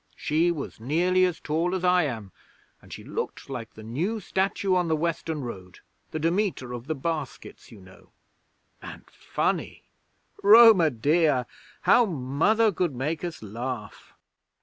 She was nearly as tall as I am, and she looked like the new statue on the Western Road the Demeter of the Baskets, you know. And funny! Roma Dea! How Mother could make us laugh!'